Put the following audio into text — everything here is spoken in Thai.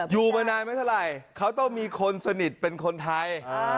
อยู่มานานไม่เท่าไหร่เขาต้องมีคนสนิทเป็นคนไทย